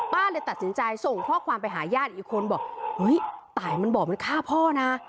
เลยตัดสินใจส่งข้อความไปหาญาติอีกคนบอกเฮ้ยตายมันบอกมันฆ่าพ่อนะ